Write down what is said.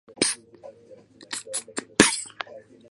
Their son Karl Sontag became an actor and playwright.